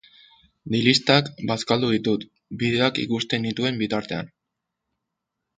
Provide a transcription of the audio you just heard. Dilistak bazkaldu ditut bideoak ikusten nituen bitartean.